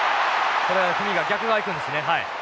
これが逆側行くんですね。